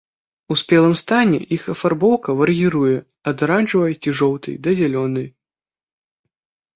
У спелым стане іх афарбоўка вар'іруе ад аранжавай ці жоўтай да зялёнай.